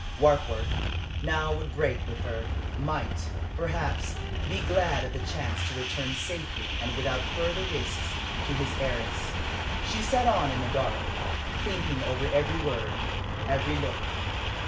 Warkworth now would break with her might, perhaps, be glad of the chance to return safely and without further risks to his heiress. She sat on in the dark, thinking over every word, every look.